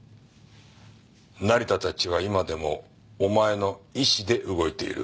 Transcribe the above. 成田たちは今でもお前の意思で動いている。